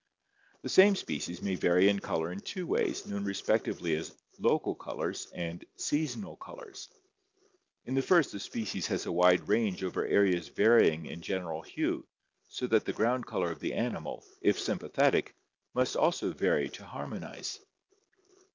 The same species may vary in color in two ways, known re spectively as local colors and seasonal colors. In the first the species has a wide range over areas varying in general hue, so that the ground color of the animal, if sympathetic, must also vary to har monize.